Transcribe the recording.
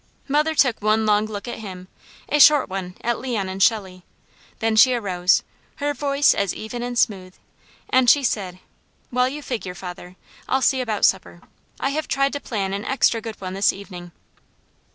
Mother took one long look at him, a short one at Leon and Shelley, then she arose, her voice as even and smooth, and she said: "While you figure, father, I'll see about supper. I have tried to plan an extra good one this evening."